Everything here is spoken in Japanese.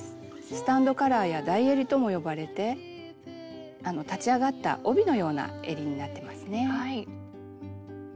「スタンドカラー」や「台えり」とも呼ばれて立ち上がった帯のようなえりになってますね。